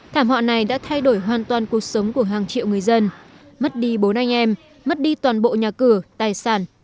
thảm họa này đã thay đổi hoàn toàn cuộc sống của hàng triệu người dân mất đi bốn anh em mất đi toàn bộ nhà cửa tài sản